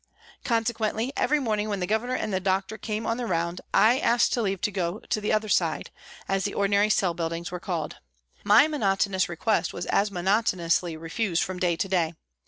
Consequently, every morning when the Governor and doctor came on their round I asked leave to go to " the other side," as the ordinary cell buildings were called. My monotonous request was as monotonously refused from day to day.